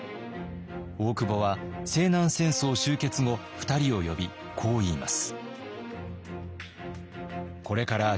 大久保は西南戦争終結後２人を呼びこう言います。